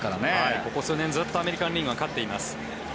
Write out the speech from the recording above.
ここ数年ずっとアメリカン・リーグが勝っています。